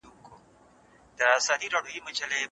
څېړنه به په راتلونکي کې نورې نوې لارې پیدا کړي.